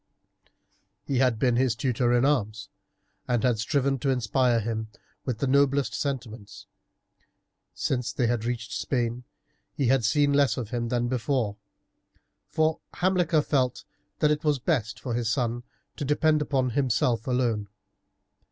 He had been his tutor in arms, and had striven to inspire him with the noblest sentiments. Since they had reached Spain he had seen less of him than before, for Hamilcar felt that it was best for his son to depend upon himself alone.